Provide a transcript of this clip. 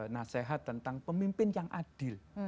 nasihat tentang pemimpin yang adil